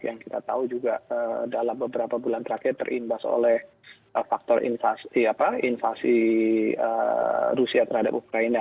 yang kita tahu juga dalam beberapa bulan terakhir terimbas oleh faktor invasi rusia terhadap ukraina